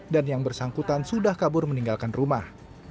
dan yang bersangkutan sudah kabur meninggalkan rumah